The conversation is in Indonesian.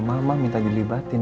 mama minta dilibatin